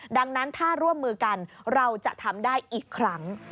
ดังนั้นถ้าร่วมมือกันเราจะทำได้อีกครั้ง